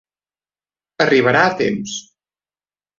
Arribarà a temps.